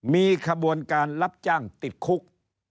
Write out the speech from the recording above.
มีขบวนการรับจ้างติดคุก